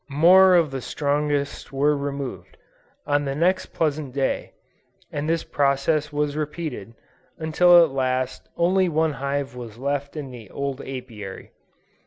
More of the strongest were removed, on the next pleasant day: and this process was repeated, until at last only one hive was left in the old Apiary.